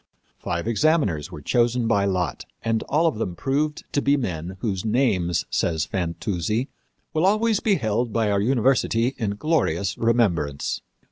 Five examiners were chosen by lot, and all of them proved to be men whose names, says Fantuzzi, "will always be held by our university in glorious remembrance."